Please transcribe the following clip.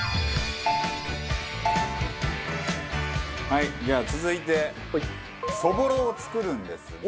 はいじゃあ続いてそぼろを作るんですが。